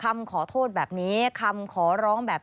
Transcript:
มันเกิดเหตุเป็นเหตุที่บ้านกลัว